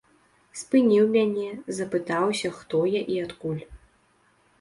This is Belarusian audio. Спыніў мяне, запытаўся, хто я і адкуль.